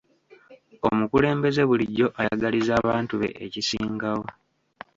Omukulembeze bulijjo ayagaliza abantu be ekisingayo.